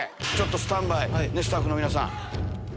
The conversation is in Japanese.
スタンバイスタッフの皆さん。